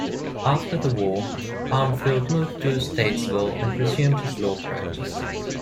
After the war, Armfield moved to Statesville and resumed his law practice.